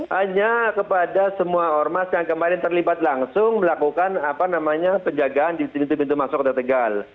hanya kepada semua ormas yang kemarin terlibat langsung melakukan apa namanya penjagaan di pintu pintu masuk dan tegak